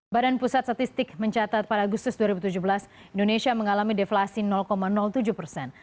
badan pusat statistik mencatat pada agustus dua ribu tujuh belas indonesia mengalami deflasi tujuh persen